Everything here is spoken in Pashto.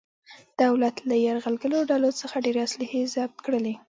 دولت له یرغلګرو ډولو څخه ډېرې اصلحې ضبط کړلې.